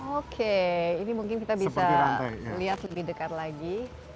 oke ini mungkin kita bisa lihat lebih dekat lagi